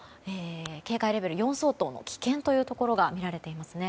警戒レベル４相当の危険というところがみられています。